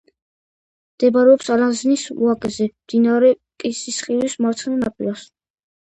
მდებარეობს ალაზნის ვაკეზე, მდინარე კისისხევის მარცხენა ნაპირას.